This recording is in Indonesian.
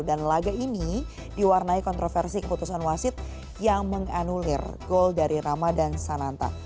dan laga ini diwarnai kontroversi keputusan wasit yang menganulir gol dari rama dan sananta